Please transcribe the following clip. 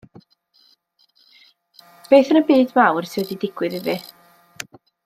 Beth yn y byd mawr sy wedi digwydd iddi?